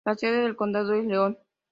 La sede del condado es Leon.